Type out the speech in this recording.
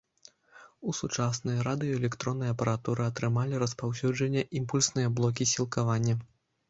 У сучаснай радыёэлектроннай апаратуры атрымалі распаўсюджанне імпульсныя блокі сілкавання.